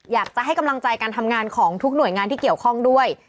อยากจะให้กำลังใจการทำงานของทุกหน่วยงานที่เกี่ยวข้องด้วย